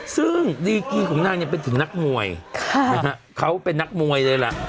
ซึ่งดีกี่ของนางนี่เป็นสุดนักมวยค่ะเขาเป็นนักมวยเลยแหละ